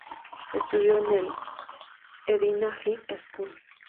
Estudió en el "Edina High School".